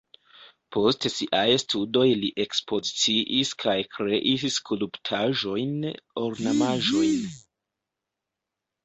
Post siaj studoj li ekspoziciis kaj kreis skulptaĵojn, ornamaĵojn.